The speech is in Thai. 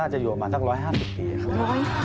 น่าจะอยู่ออกมาสัก๑๕๐ปีคงครับ